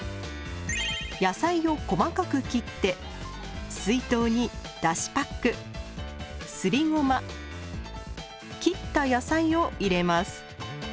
野菜を細かく切って水筒にだしパックすりごま切った野菜を入れます。